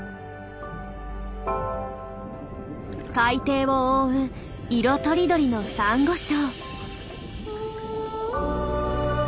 海底を覆う色とりどりのサンゴ礁。